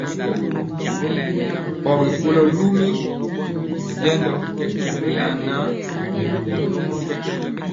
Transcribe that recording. Pɔgi kɔlo lumili jendɔ nyana nɛ lugɔ.